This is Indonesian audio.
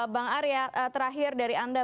bang arya terakhir dari anda